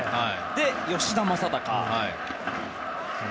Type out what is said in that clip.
で、吉田正尚も。